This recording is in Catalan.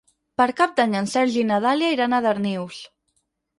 Per Cap d'Any en Sergi i na Dàlia iran a Darnius.